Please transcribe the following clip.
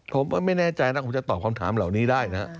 ผมไม่แน่ใจนะผมจะตอบคำถามเหล่านี้ได้นะ